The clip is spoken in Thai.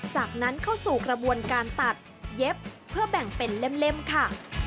จากนั้นเข้าสู่กระบวนการตัดเย็บเพื่อแบ่งเป็นเล่มค่ะ